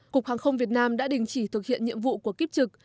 cục hàng không việt nam đã đình chỉ thực hiện nhiệm vụ của kiếp trực